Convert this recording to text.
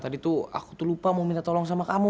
tadi tuh aku tuh lupa mau minta tolong sama kamu